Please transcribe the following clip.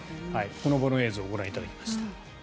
ほのぼの映像をご覧いただきました。